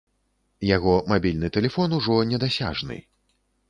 Яго мабільны тэлефон ужо недасяжны.